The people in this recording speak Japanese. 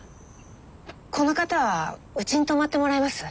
この方はうちに泊まってもらいます。